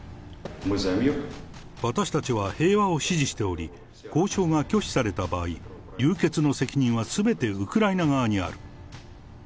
私たちは、平和を支持しており、交渉が拒否された場合、流血の責任はすべてウクライナ側にある。